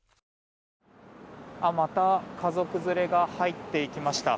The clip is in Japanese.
また家族連れが入っていきました。